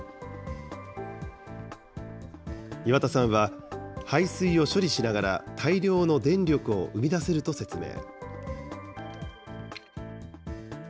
岩田さんは、排水を処理しながら大量の電力を生み出せると説明。